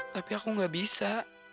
tapi aku gak bisa